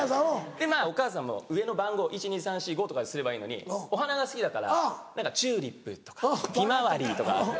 でまぁお母さんも上の番号１２３４５とかにすればいいのにお花が好きだからチューリップとかヒマワリとかあって。